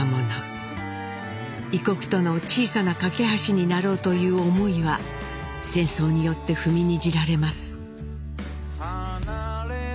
異国との小さな懸け橋になろうという思いは戦争によって踏みにじられます。